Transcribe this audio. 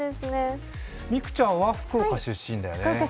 美空ちゃんは福岡出身だよね。